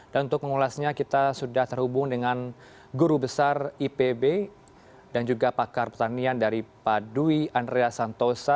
dan untuk mengulasnya kita sudah terhubung dengan guru besar ipb dan juga pakar pertanian dari pak dwi andrea santosa